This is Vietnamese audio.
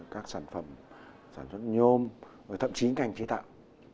các sản phẩm sản xuất nhôm và thậm chí ngành chế tạo